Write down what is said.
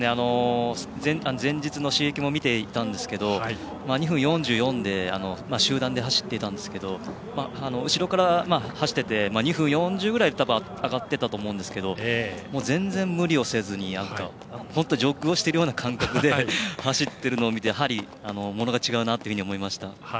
前日も見ていたんですけども２分４４で集団で走っていたんですが後ろから走ってて２分４０ぐらいで上がってたと思うんですけど全然無理をせずにジョッグをしているような感覚で走っているのを見てものが違うなと感じました。